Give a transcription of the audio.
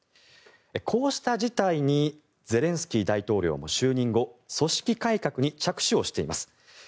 こうした事態にゼレンスキー大統領も、就任後組織改革に着手をしています。